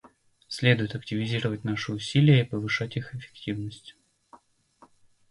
Следует активизировать наши усилия и повышать их эффективность.